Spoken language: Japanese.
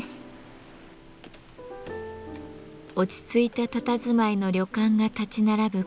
落ち着いたたたずまいの旅館が立ち並ぶ